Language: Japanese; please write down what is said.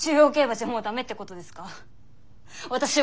私はもうクビってことですか！？